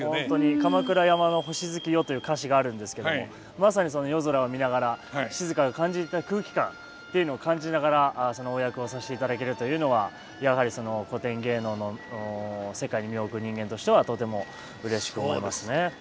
「鎌倉山の星月夜」という歌詞があるんですけどもまさにその夜空を見ながら静が感じた空気感っていうのを感じながらそのお役をさせていただけるというのはやはり古典芸能の世界に身を置く人間としてはとてもうれしく思いますね。